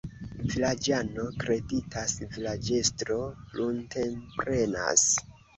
Vilaĝano kreditas, vilaĝestro prunteprenas.